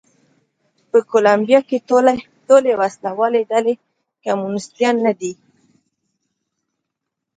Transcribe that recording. په کولمبیا کې ټولې وسله والې ډلې کمونېستان نه دي.